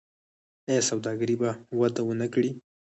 آیا سوداګري به وده ونه کړي؟